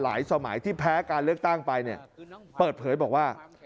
สมัยที่แพ้การเลือกตั้งไปเนี่ยเปิดเผยบอกว่า